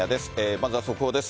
まずは速報です。